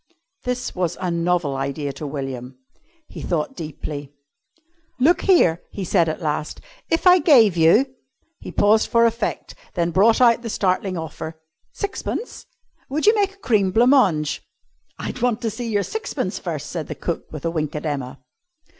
This was a novel idea to William. He thought deeply. "Look here!" he said at last, "if I gave you," he paused for effect, then brought out the startling offer "sixpence, would you make a cream blanc mange?" "I'd want to see your sixpence first," said cook, with a wink at Emma.